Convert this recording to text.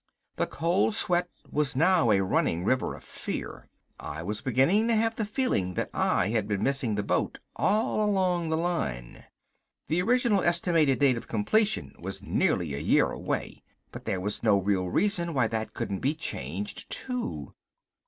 The cold sweat was now a running river of fear. I was beginning to have the feeling that I had been missing the boat all along the line. The original estimated date of completion was nearly a year away. But there was no real reason why that couldn't be changed, too.